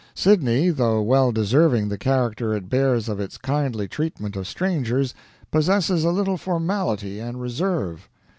Sydney, though well deserving the character it bears of its kindly treatment of strangers, possesses a little formality and reserve.